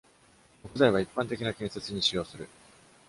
木材は一般的な建設に使用する。